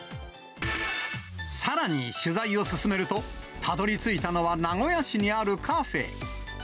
さらに、取材を進めると、たどりついたのは名古屋市にあるカフェ。